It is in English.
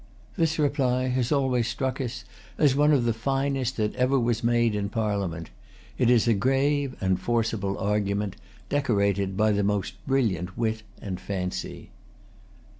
This reply has always struck us as one of the finest that ever was made in Parliament. It is a grave and forcible argument, decorated by the most brilliant wit and fancy.